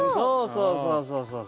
そうそうそうそうそう。